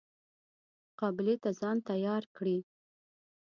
مقابلې ته ځان تیار کړي.